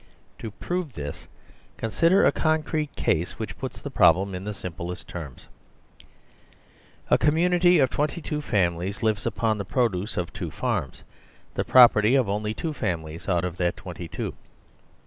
To prove this, consider a concrete case which puts the problem in the simplest terms : A community of twenty two families lives upon the pro duce of two farms, the property of only two families out of that twenty two.